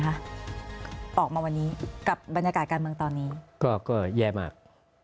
ออกมาวันนี้กับบรรยากาศการเมืองตอนนี้ก็ก็แย่มาก